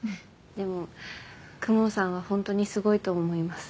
でも公文さんは本当にすごいと思います